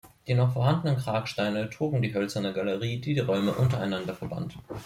Die noch vorhandenen Kragsteine trugen die hölzerne Galerie, die die Räume untereinander verband.